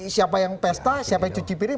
siapa yang pesta siapa yang cuci piring